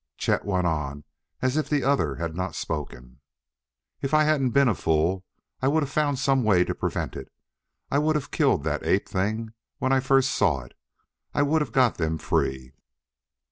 Chet went on as if the other had not spoken: "If I hadn't been a fool I would have found some way to prevent it; I would have killed that ape thing when first I saw it; I would have got them free."